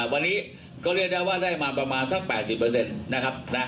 วันนี้ก็เรียกได้ว่าได้มาประมาณสักแปดสิบเปอร์เซ็นต์นะครับนะ